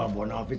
hai malam pak